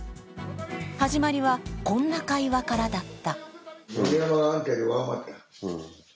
始まりは、こんな会話からだった。